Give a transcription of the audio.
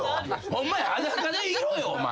ホンマや裸でいろよお前。